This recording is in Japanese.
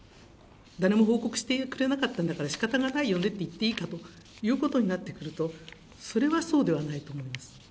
誰も報告してくれなかったんだからしかたがないよねと言っていいかということになってくると、それはそうではないと思います。